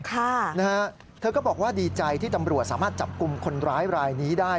ค่ะนะฮะเธอก็บอกว่าดีใจที่ตำรวจสามารถจับกลุ่มคนร้ายรายนี้ได้